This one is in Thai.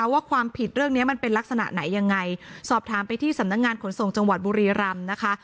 ว่าความผิดเรื่องนี้มันเป็นลักษณะไหนยังไงสอบถามไปที่สำนักงานขนส่งจังหวัดบุรีรำนะคะ